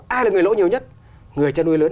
ai là người lỗ nhiều nhất người chăn nuôi lớn